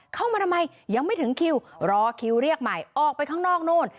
เข้ามาทำไมยังไม่ถึงคิวรอคิวเรียกใหม่ออกไปข้างนอกนู่น